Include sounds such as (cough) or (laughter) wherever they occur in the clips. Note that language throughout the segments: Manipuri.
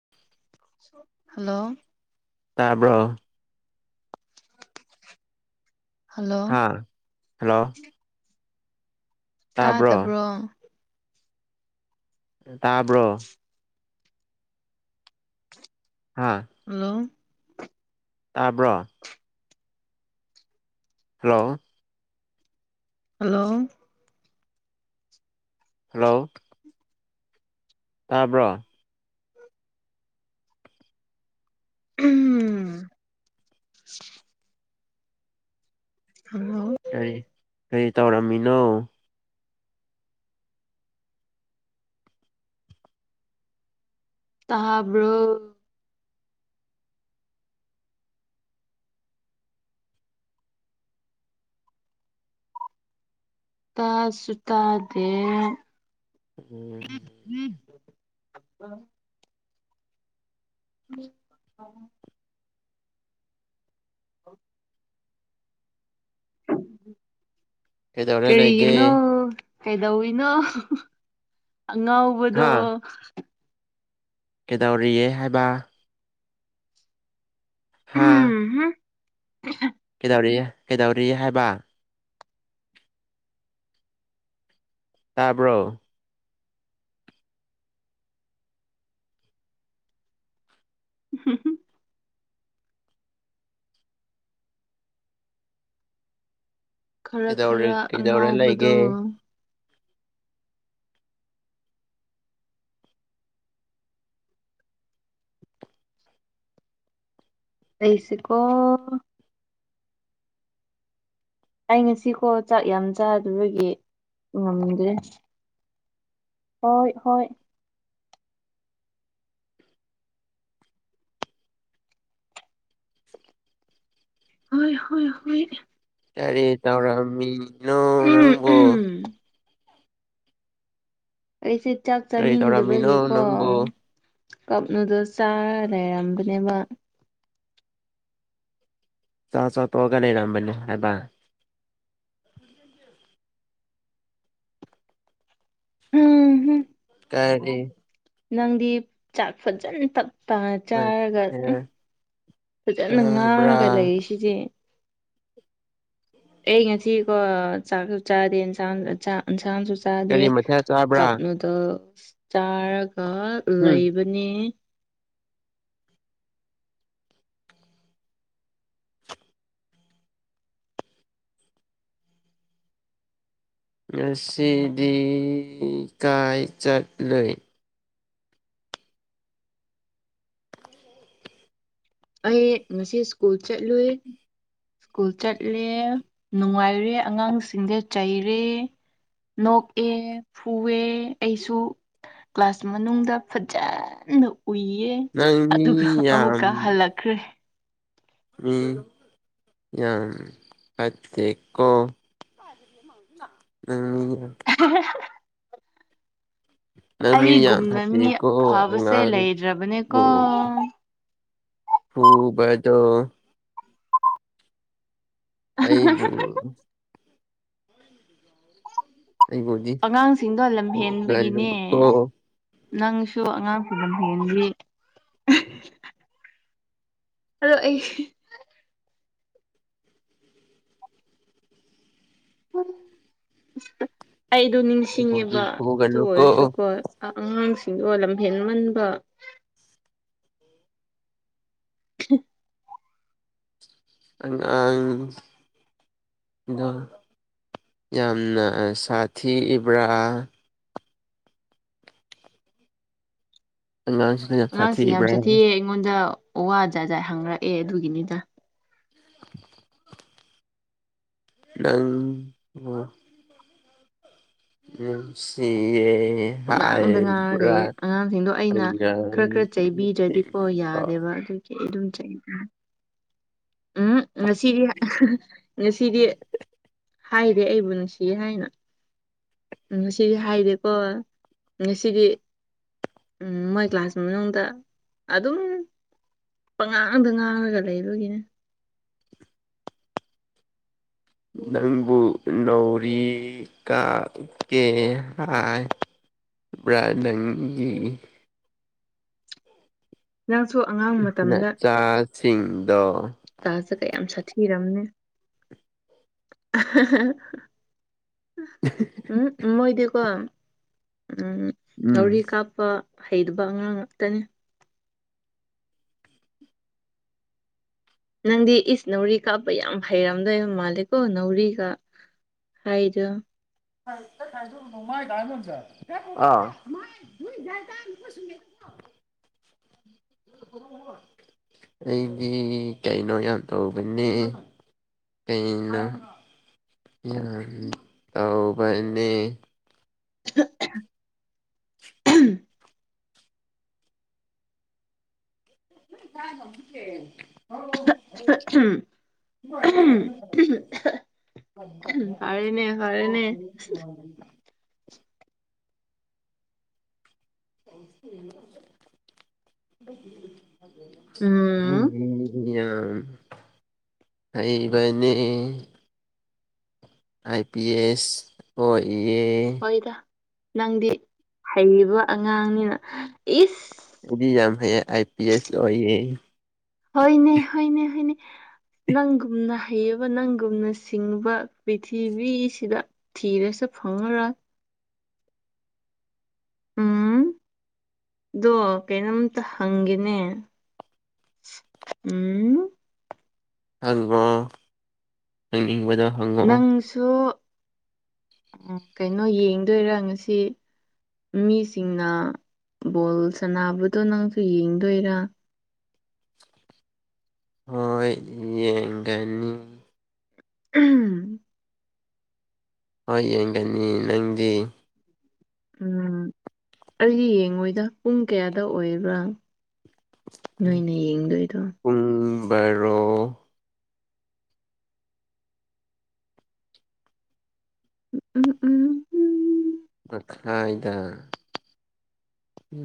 (unintelligible) ꯍꯜꯂꯣ ꯇꯥꯕ꯭ꯔꯣ ꯍꯜꯂꯣ ꯍꯥꯥ ꯍꯜꯂꯣ ꯇꯥꯕ꯭ꯔꯣ ꯇꯥꯗꯕ꯭ꯔꯣ ꯇꯥꯕ꯭ꯔꯣ ꯍꯥꯥ ꯍꯜꯂꯣ ꯇꯥꯕ꯭ꯔꯣ ꯍꯜꯂꯣ ꯍꯜꯂꯣ ꯍꯂꯣ ꯇꯥꯕ꯭ꯔꯣ ꯎꯝ ꯍꯜꯂꯣ ꯀꯔꯤ ꯀꯔꯤ ꯇꯧꯔꯝꯃꯤꯅꯣ ꯇꯥꯕ꯭ꯔꯣ ꯇꯥꯁꯨ ꯇꯥꯗꯦ ꯎꯝ ꯎꯝ (unintelligible) ꯑꯣ ꯀꯩꯗꯧꯔ ꯂꯩꯒꯦ ꯀꯔꯤꯅꯣ ꯀꯩꯗꯧꯅꯣ ꯑꯉꯥꯎꯕꯗꯣ ꯀꯦꯗꯧꯔꯤꯑ ꯍꯥꯏꯕ ꯍꯥꯥ ꯎꯝ ꯀꯩꯗꯧꯔꯤ ꯀꯩꯗꯧꯔꯔꯤ ꯍꯥꯏꯕ ꯇꯥꯕ꯭ꯔꯣ ꯎꯝ ꯈꯔ ꯀꯩꯗꯧꯔꯤ ꯈꯔ ꯀꯩꯗꯧꯔ ꯂꯩꯒꯦ ꯑꯉꯥꯎꯕꯗꯣ ꯩꯁꯤꯀꯣ ꯑꯩ ꯉꯁꯤꯀꯣ ꯆꯥꯛ ꯌꯥꯝ ꯆꯥꯗꯕꯒꯤ ꯉꯝꯗ꯭ꯔꯦ ꯍꯣꯏ ꯍꯣꯏ ꯍꯣꯏ ꯍꯣꯏ ꯍꯣꯏ ꯌꯥꯔꯦ ꯇꯔ ꯎꯝ ꯎꯝ ꯑꯩꯁꯦ ꯆꯥꯛ ꯀꯔꯤ ꯇꯧꯔꯝꯃꯤꯅꯣ ꯆꯥꯅꯤꯡꯗꯕꯒꯤꯀꯣ ꯅꯪꯕꯨ ꯀꯞꯅꯨꯗꯣ ꯆꯥꯔ ꯂꯩꯔꯝꯕꯅꯦꯕ ꯆ ꯆ ꯇꯒ ꯂꯩꯔꯝꯝꯕꯅꯤ ꯍꯥꯏꯥꯏꯕ ꯎꯝꯝ ꯇꯔꯗꯤ ꯅꯪꯗꯤ ꯆꯥꯛ ꯐꯖꯅ ꯇꯥ ꯆꯥꯔꯒ ꯃꯊꯦꯜ ꯐꯖꯅ ꯆꯥꯕ꯭ꯔꯥ ꯉꯥꯡꯉꯒ ꯂꯩ ꯁꯤꯁꯦ ꯑꯩ ꯉꯥꯁꯤꯀꯣ ꯆꯥꯛꯁꯨ ꯆꯥꯗꯦ ꯏꯟꯁꯥꯡ ꯏꯟꯁꯥꯡꯁꯨ ꯆꯥꯗꯦ ꯀꯔꯤ ꯃꯊꯦꯜ ꯆꯥꯕ꯭ꯔꯥ ꯀꯞ ꯅꯨꯗꯜꯁ ꯆꯥꯔꯒ ꯎꯝ ꯂꯩꯕꯅꯦ ꯃꯁꯤꯗꯤ ꯀꯥꯏ ꯆꯠꯂꯩ ꯑꯩ ꯉꯁꯤ ꯁ꯭ꯀꯨꯜ ꯆꯠꯂꯨꯏ ꯁ꯭ꯀꯨꯜ ꯆꯠꯂꯦ ꯅꯨꯡꯉꯥꯏꯔꯦ ꯑꯉꯥꯡꯁꯤꯡꯗ ꯆꯩꯔꯦ ꯅꯣꯛꯑꯦ ꯐꯨꯑꯦ ꯑꯩꯁꯨ ꯀ꯭ꯂꯥꯁ ꯃꯅꯨꯡꯗ ꯐꯖꯅ ꯎꯏꯌꯦ ꯅꯪ ꯃꯤ ꯑꯗꯨꯒ ꯌꯥꯝ ꯑꯃꯨꯛꯀ ꯍꯜꯂꯛ ꯀ꯭ꯔꯦ ꯃꯤ ꯌꯥ ꯀꯀꯣ ꯇꯥꯖꯔꯤ ꯃꯥꯡ ꯎꯝ ꯎ ꯅꯃꯤ ꯌꯥ ꯑꯩꯒꯨꯝꯅ ꯐꯇ ꯃꯤ ꯀꯣ ꯐꯕꯁꯦ ꯑꯉꯥꯡꯕꯨ ꯂꯩꯇ꯭ꯔꯕꯅꯦꯀꯣ ꯍꯕꯗꯣ ꯑꯩꯕꯨ ꯑꯩꯕꯨꯣ ꯑꯉꯥꯡꯁꯤꯡꯗꯣ ꯂꯝꯍꯦꯟꯕꯒꯤꯅꯦ ꯅꯪꯁꯨ ꯑꯉꯥꯡꯁꯨ ꯂꯝꯍꯦꯟꯕꯤ ꯑꯗꯣ ꯑꯩ ꯑꯩꯗꯣ ꯅꯤꯡꯁꯤꯡꯉꯦꯕ ꯑꯩꯕꯨꯗꯤ ꯑꯗꯨ ꯐꯨꯒꯅꯨꯀꯣ ꯑꯣꯏꯔꯁꯨꯀꯣ ꯑꯉꯥꯡꯁꯤꯡꯗꯣ ꯂꯝꯐꯦꯟ ꯃꯟꯕ ꯍ ꯑꯪ ꯑꯗꯣ ꯌꯥꯝꯅ ꯁꯥꯊꯤ ꯏꯕ꯭ꯔꯥ ꯑ ꯑꯉꯥꯡꯁꯦ ꯌꯥꯝ ꯆꯠꯊꯤꯑ ꯑꯩꯉꯣꯟꯗ ꯋꯥ ꯋꯥ ꯖꯥ ꯖ ꯍꯪꯔꯛꯑꯦ ꯑꯗꯨꯒꯤꯅꯤꯗ (inaudible) ꯪ ꯁꯤ ꯑꯦ ꯍ ꯉꯥꯡꯗ ꯉꯥꯡꯉꯒ ꯑꯉꯥꯡꯁꯤꯡꯗꯣ ꯑꯩꯅ ꯈꯔ ꯈꯔ ꯆꯩꯕꯤꯗ꯭ꯔꯗꯤꯀꯣ ꯑꯉꯥꯡꯁꯤꯡꯗꯣ ꯌꯥꯗꯦꯕ ꯑꯗꯨ ꯀ ꯑꯗꯨꯝ ꯆ ꯎꯝ ꯉꯁꯤꯗꯤ ꯉꯁꯤꯗꯤ ꯍꯥꯏꯔꯦ ꯑꯩꯕꯨ ꯅꯨꯡꯁꯤ ꯍꯥꯏꯅ ꯉꯁꯤꯗꯤ ꯍꯥꯏꯔꯦꯀꯣ ꯉꯁꯤꯗꯤ ꯎꯝ ꯃꯣꯏ ꯀ꯭ꯂꯥꯁ ꯃꯅꯨꯡꯗ ꯑꯗꯨꯝ ꯄꯉꯥꯡꯗ ꯉꯥꯡꯉꯒ ꯂꯩꯕꯒꯤꯅꯦ ꯅꯪꯕꯨ ꯅꯧꯔꯤ ꯀꯛꯀꯦ ꯍꯥꯏꯕ꯭ꯔꯥ ꯅꯪꯒꯤ ꯅꯪꯁꯨ ꯑꯉꯥꯡ ꯆꯥꯁꯤꯡꯗ ꯇꯥꯁ ꯀꯌꯥꯝ ꯁꯥꯊꯤꯔꯝꯅꯦ (unintelligible) (unintelligible) ꯎꯝ ꯃꯣꯏꯗꯤ ꯀꯣ ꯎꯝ ꯎꯝ ꯅꯧꯔꯤ ꯀꯞ ꯄꯥ ꯍꯩꯗꯨꯕ ꯑꯉꯥꯡ ꯉꯥꯛꯇꯅꯤ ꯅꯪꯗꯤ ꯏꯁ ꯅꯥꯎꯔꯤ ꯀꯥꯞꯄ ꯌꯥꯝ ꯍꯩꯔꯝꯗꯣꯏꯕ ꯃꯥꯜꯂꯦꯀꯣ ꯅꯥꯎꯔꯤꯒꯥ ꯍꯥꯏꯗꯣ (unintelligible) (unintelligible) ꯑꯩꯗꯤ ꯀꯩꯅꯣ ꯌꯥꯝ ꯇꯧꯕꯅꯦ ꯀꯩꯅꯣ ꯌꯥꯝ ꯇꯧꯕꯅꯦ (unintelligible) (unintelligible) ꯐꯔꯦꯅꯦ ꯐꯔꯦꯅꯦ (unintelligible) ꯎꯝ (unintelligible) ꯌꯥꯝ ꯍꯩꯕꯅꯤ ꯑꯥꯏ ꯄꯤ ꯑꯦꯁ ꯑꯣꯏꯌꯦ ꯅꯪꯗꯤ ꯍꯩꯕ ꯑꯉꯥꯡꯅꯤꯅ ꯏꯁ ꯑꯩꯗꯤ ꯌꯥꯝ ꯍꯩꯌꯦ ꯑꯥꯏ ꯄꯤ ꯑꯦꯁ ꯑꯣꯏꯌꯦ ꯍꯣꯏꯅꯦ ꯍꯣꯏꯅꯦ ꯍꯣꯏꯅꯦ ꯅꯪꯒꯨꯝꯅ ꯍꯩꯑꯕ ꯅꯪꯒꯨꯝꯅ ꯁꯤꯡꯕ ꯄꯤꯊꯤꯕꯤꯁꯤꯗ ꯊꯤꯔꯁꯨ ꯐꯪꯉꯔꯣꯏ ꯎꯝ ꯗꯣ ꯀꯩꯅꯣꯝꯇ ꯍꯪꯒꯦꯅꯦ ꯎꯝ (unintelligible) ꯍꯪꯅꯤꯡꯕꯗꯣ ꯍꯪꯉꯣ ꯅꯪꯁꯨ ꯀꯩꯅꯣ ꯌꯦꯡꯗꯣꯏꯔꯥ ꯉꯁꯤ ꯃꯤꯁꯤꯡꯅ ꯕꯣꯜ ꯁꯥꯟꯅꯕꯗꯣ ꯅꯪꯁꯨ ꯌꯦꯡꯗꯣꯏꯔꯥ ꯍꯣꯏ ꯌꯦꯡꯒ (unintelligible) ꯍꯣꯏ ꯌꯦꯡꯒꯅꯤ ꯅꯪꯗꯤ ꯎꯝ ꯑꯩ ꯌꯦꯡꯉꯣꯏꯗ ꯄꯨꯡ ꯀꯌꯥꯗ ꯑꯣꯏꯕ꯭ꯔꯥ ꯅꯣꯏꯅ ꯌꯦꯡꯗꯣꯏꯗꯣ ꯄꯨꯡ ꯕꯔꯣ (unintelligible) ꯃꯥꯈꯥꯏꯗ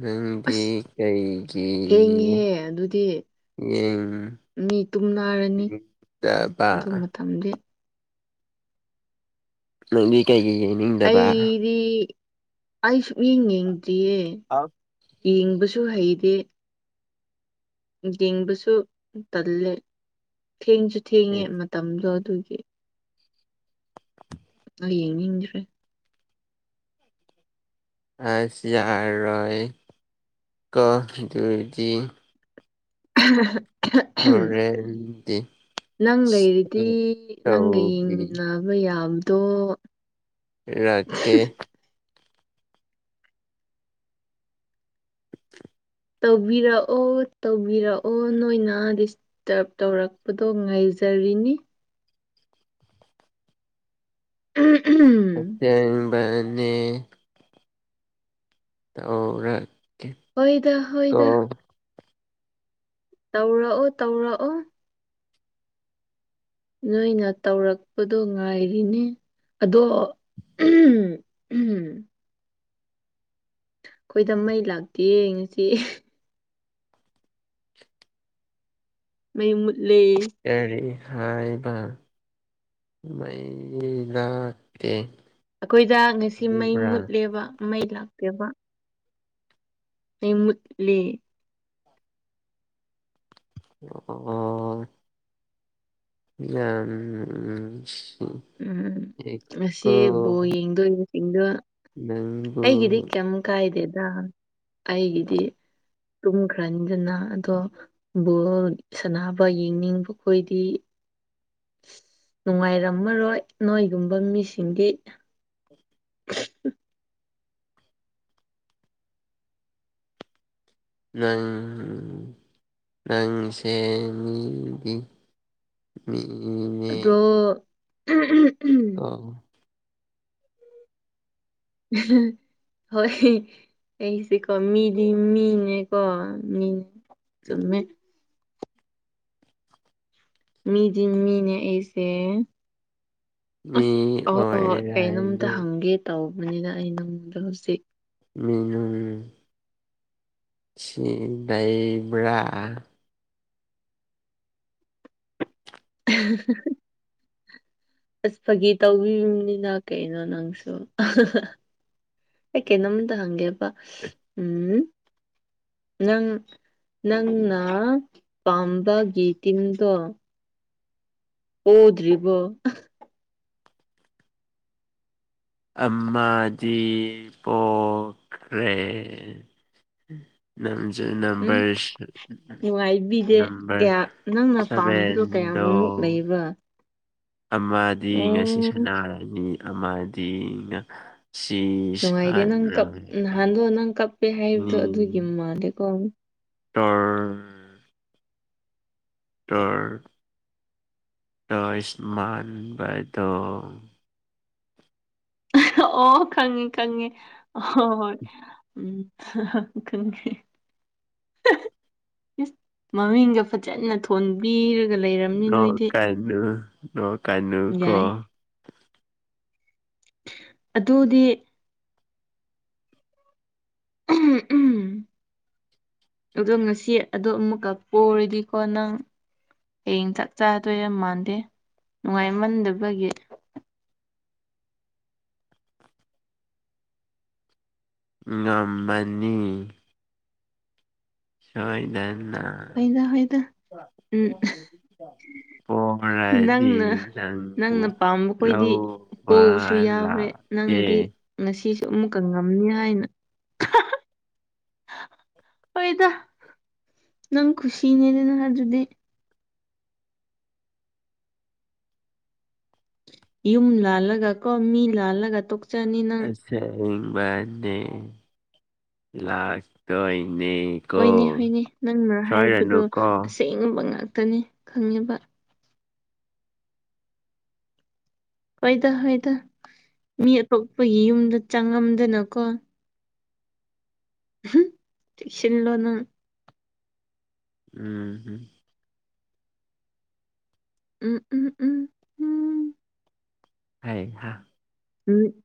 ꯅꯪꯗꯤ ꯑꯁ ꯀꯩꯒꯤ ꯊꯦꯡꯉꯦꯍꯦ ꯑꯗꯨꯗꯤ ꯃꯤ ꯇꯨꯝꯅꯔꯅꯤ ꯌꯦꯡꯗꯕ (unintelligible) ꯅꯪꯗꯤ ꯀꯩꯒꯤ ꯌꯦꯡꯅꯤꯡꯗꯕ ꯑꯩ ꯑꯩ ꯁꯨꯛ ꯌꯦꯡ ꯌꯦꯡꯗꯔꯤꯌꯦ ꯍꯥꯎ ꯌꯦꯡꯕꯁꯨ ꯍꯩꯗꯦ ꯌꯦꯡꯕꯁꯨ ꯇꯜꯂꯦ ꯊꯦꯡꯁꯨ ꯊꯦꯡꯉꯦ ꯃꯇꯝꯗꯣ ꯑꯗꯨꯒꯤ ꯗꯣ ꯌꯦꯡꯅꯤꯡꯗ꯭ꯔꯦ ꯑꯁ ꯌꯔꯣꯏꯀꯣ ꯗꯨꯗꯤ (unintelligible) ꯍꯣꯔꯦꯟꯗꯤ ꯅꯪ ꯂꯩꯔꯤꯗꯤ ꯅꯪꯒ ꯌꯦꯡꯃꯤꯟꯅ ꯇꯧꯕꯤꯔꯛꯀꯦ ꯕ ꯌꯥꯝꯗꯣ ꯔꯛꯀꯦ ꯇꯧꯕꯤꯔꯛꯑꯣ ꯇꯧꯕꯤꯔꯛꯑꯣ ꯅꯣꯏꯅ ꯇꯦꯞ ꯇꯧꯔꯛꯄꯗꯣ ꯉꯥꯏꯖꯔꯤꯅꯤ (unintelligible) ꯊꯦꯡꯕꯅꯦ ꯑꯣ (unintelligible) ꯍꯣꯏꯗ ꯍꯣꯏꯗ ꯇꯧꯔꯛꯑꯣ ꯇꯧꯔꯛꯑꯣ ꯅꯣꯏꯅ ꯇꯧꯔꯛꯄꯗꯣ ꯉꯥꯏꯔꯤꯅꯦ ꯑꯗꯣ (unintelligible) ꯑꯩꯈꯣꯏꯗ ꯃꯩ ꯂꯥꯛꯇꯤꯌꯦ ꯉꯁꯤ ꯃꯩ ꯃꯨꯠꯂꯦ ꯀꯔꯤ ꯍꯥꯏꯕ ꯃꯩ ꯂꯥꯛꯇꯦ ꯑꯩꯈꯣꯏꯖꯥ ꯉꯁꯤ ꯃꯩ ꯍꯥꯏꯕ꯭ꯔꯥ ꯃꯨꯠꯂꯦꯕ ꯃꯩ ꯂꯥꯛꯇꯦꯕ ꯃꯩ ꯃꯨꯠꯂꯦ (unintelligible) (unintelligible) ꯎꯝ ꯉꯁꯤ ꯕꯣꯜ ꯌꯦꯡꯗꯧꯕ (unintelligible) ꯅꯪꯕꯨ ꯑꯩꯒꯤꯗꯤ ꯀꯦꯝ ꯀꯥꯏꯗꯦꯗꯥ ꯑꯩꯒꯤꯗꯤ ꯇꯨꯝꯈ꯭ꯔꯅꯤꯗꯅ ꯑꯗꯣ ꯕꯣꯜ ꯁꯥꯟꯅꯕ ꯌꯦꯡꯅꯤꯡꯕ ꯈꯣꯏꯗꯤ ꯅꯨꯡꯉꯥꯏꯔꯝꯃꯔꯣꯏ ꯅꯣꯏꯒꯨꯝꯕ ꯃꯤꯁꯤꯡꯗꯤ (unintelligible) ꯅꯪ ꯅꯪꯁꯦ ꯃꯤꯒꯤ ꯃꯤ (unintelligible) ꯑꯗꯣ (unintelligible) (unintelligible) (unintelligible) ꯍꯣꯏ ꯑꯩꯁꯦꯀꯣ ꯃꯤꯗꯤ ꯃꯤꯅꯦꯀꯣ ꯃꯤ ꯆꯨꯝꯃꯦ ꯃꯤꯗꯤ ꯃꯤꯅꯦ ꯑꯩꯁꯦ ꯃꯤ ꯑꯁ ꯑꯣꯏꯔꯗꯤ ꯇꯧꯕꯅꯤꯗ ꯑꯩ ꯅꯪꯉꯣꯟꯗ ꯍꯧꯖꯤꯛ (unintelligible) ꯁꯤꯗꯩꯏꯕ꯭ꯔꯥ (unintelligible) (unintelligible) ꯑꯁ ꯐꯥꯒꯤ ꯇꯧꯕ (unintelligible) ꯀꯩꯅꯣ ꯅꯪꯁꯨ ꯑꯩ ꯀꯩꯅꯣꯝꯇ ꯍꯪꯒꯦꯕ ꯎꯝ ꯅꯪ ꯅꯪꯅ ꯄꯥꯝꯕꯒꯤ ꯇꯤꯝꯗꯣ ꯄꯣꯗ꯭ꯔꯤꯕꯣ ꯑꯝꯃꯗꯤ ꯄꯣꯈ꯭ꯔꯦ ꯅꯪꯖꯦ ꯎꯝ ꯅꯝꯕꯔ ꯁꯦ (unintelligible) ꯅꯨꯡꯉꯥꯏꯕꯤꯗꯦ ꯅꯝꯕꯔ ꯀꯌꯥ ꯅꯪꯅ ꯄꯥꯝꯕꯗꯣ ꯁꯕꯦꯟꯗꯣ ꯀꯌꯥꯃꯨꯛ ꯂꯩꯕ꯭ꯔꯥ ꯑꯃꯗꯤ ꯉꯁꯤ ꯑꯣ ꯁꯥꯟꯅꯔꯅꯤ ꯑꯃꯗꯤ ꯉ__ ꯉꯁꯤ ꯅꯨꯡꯉꯥꯏꯇꯦ ꯅꯪ ꯁꯥꯟꯅ ꯀꯞ ꯒ ꯅꯤ (unintelligible) ꯀꯣ ꯇꯔ (unintelligible) ꯇꯔ ꯇꯣꯏꯁ ꯃꯥꯟꯕꯗꯣ ꯑꯣ ꯈꯪꯉꯦ ꯈꯪꯉꯦ ꯍꯍꯣꯏ (unintelligible) ꯈꯪꯉꯦ (unintelligible) ꯏꯁ ꯃꯃꯤꯡꯒ ꯐꯖꯅ ꯊꯣꯟ__ ꯊꯣꯟꯕꯤꯔꯒ ꯂꯩꯔꯝꯃꯦ ꯅꯣꯏꯗꯤ ꯅꯣꯛꯀꯅꯨ ꯅꯣꯛꯀꯅꯨꯀꯣ ꯌꯥꯏ ꯑꯗꯨꯗꯤ ꯎꯝ ꯎꯝ ꯑꯗꯣ ꯉꯁꯤ ꯑꯗꯣ ꯑꯃꯨꯛꯀ ꯄꯔꯗꯤꯀꯣ ꯅꯪ ꯍꯌꯦꯡ ꯆꯥꯛ ꯆꯥꯗꯣꯏ ꯌꯥꯝ ꯃꯥꯟꯗꯦ ꯅꯨꯡꯉꯥꯏꯃꯟꯗꯕꯒꯤ ꯉꯝꯃꯅꯤ ꯁꯣꯏꯗꯅ ꯍꯗ ꯍꯣꯏꯗ ꯎꯝ ꯄꯣꯔꯗꯤ ꯅꯪꯅ ꯅꯪꯕꯨ ꯅꯪꯅ ꯄꯥꯝꯕꯈꯣꯏꯗꯤ ꯂꯧꯕ ꯄꯣꯕꯁꯨ ꯌꯥꯎꯔꯦ ꯂꯥꯛꯀꯦ ꯅꯪꯅꯗꯤ ꯉꯁꯤꯁꯨ ꯑꯃꯨꯛꯀ ꯉꯝꯅꯤ ꯍꯥꯏꯅ ꯍꯣꯏꯗ ꯅꯪ ꯈꯨꯁꯤ ꯅꯦꯅꯅ ꯍꯥꯏꯕꯗꯨꯗꯤ ꯌꯨꯝ ꯂꯥꯜꯂꯒ ꯀꯣ ꯃꯤ ꯂꯥꯜꯂꯒ ꯇꯣꯛꯆꯅꯤ ꯅꯪ ꯁꯦꯡꯕꯅꯦ ꯂꯥꯛꯇꯣꯏꯅꯦ ꯍꯣꯏꯅꯦ ꯍꯣꯏꯅꯦ ꯅꯪꯅ ꯍꯥꯏꯕꯗꯣ ꯑꯁꯦꯡꯕ ꯉꯥꯛꯇꯅꯤ ꯈꯪꯉꯦꯕ ꯍꯣꯏꯗ ꯍꯣꯏꯗ ꯃꯤ ꯑꯇꯣꯞꯄꯒꯤ ꯌꯨꯝꯗ ꯆꯪꯉꯝꯗꯅꯀꯣ ꯍꯨꯝ ꯆꯦꯛꯁꯤꯂꯣ ꯅꯪ ꯎꯝ ꯎꯝ ꯎꯝ ꯎꯝ ꯎꯝ ꯍꯩ ꯍꯥ ꯎꯝ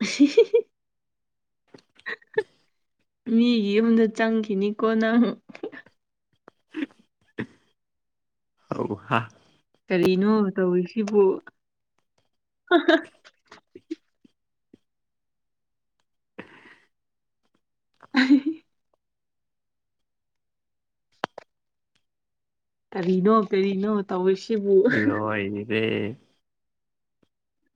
(unintelligible) ꯃꯤꯒꯤ ꯌꯨꯝꯗ ꯆꯪꯈꯤꯅꯤꯀꯣ ꯅꯪ ꯍꯧꯍꯥ (unintelligible) ꯀꯔꯤꯅꯣ ꯇꯧꯔꯤꯁꯤꯕꯨ (unintelligible) ꯑ (unintelligible) ꯀꯔꯤꯅꯣ ꯀꯔꯤꯅꯣ ꯇꯧꯏꯁꯤꯕꯨ ꯂꯣꯏ ꯔꯦ